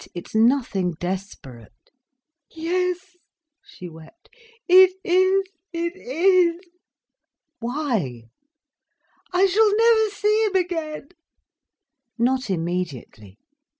It's nothing desperate." "Yes," she wept, "it is, it is." "Why?" "I shall never see him again—" "Not immediately.